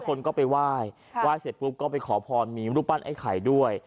คนก็ไปไหว้ไหว้เสร็จปุ๊บก็ไปขอพรมีรูปปั้นไอ้ไข่ด้วย